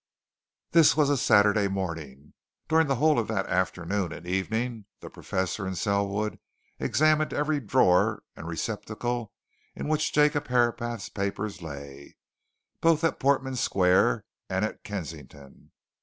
This was a Saturday morning during the whole of that afternoon and evening the Professor and Selwood examined every drawer and receptacle in which Jacob Herapath's papers lay, both at Portman Square and at Kensington.